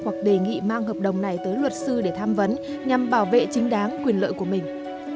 hoặc đề nghị mang hợp đồng này tới luật sư để tham vấn nhằm bảo vệ chính đáng quyền lợi của mình